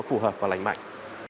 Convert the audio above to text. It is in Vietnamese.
phù hợp và lành mạnh